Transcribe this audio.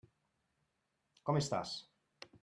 Com estàs?